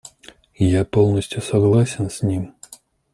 Я полностью согласен с ним.